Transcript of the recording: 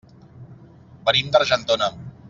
Venim d'Argentona.